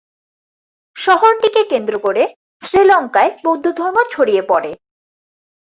শহরটিকে কেন্দ্র করে শ্রীলঙ্কায় বৌদ্ধ ধর্ম ছড়িয়ে পড়ে।